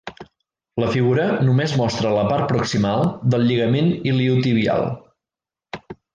La figura només mostra la part proximal del lligament iliotibial.